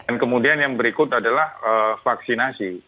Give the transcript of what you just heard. dan kemudian yang berikut adalah vaksinasi